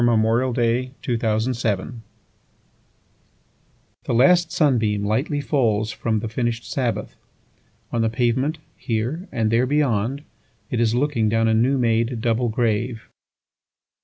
131. Dirge for Two Veterans 1THE LAST sunbeamLightly falls from the finish'd Sabbath, On the pavement here—and there beyond, it is looking, Down a new made double grave.